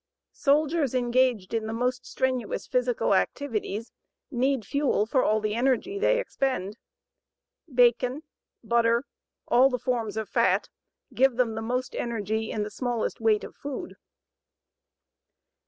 Soldiers engaged in the most strenuous physical activities need fuel for all the energy they expend. Bacon, butter, all the forms of fat give them the most energy in the smallest weight of food.